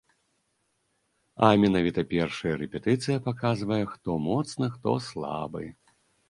А менавіта першая рэпетыцыя паказвае, хто моцны, хто слабы.